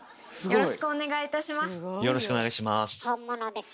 よろしくお願いします。